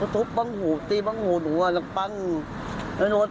ทืบจนก็มีดฟันหัวหนูแบบเละเลย